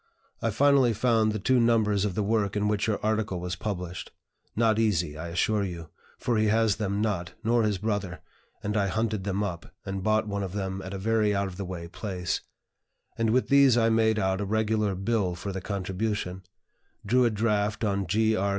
I finally found the two numbers of the work in which your article was published (not easy, I assure you, for he has them not, nor his brother, and I hunted them up, and bought one of them at a very out of the way place), and with these I made out a regular bill for the contribution; drew a draft on G. R.